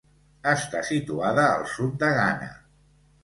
Està situada al sud de Ghana.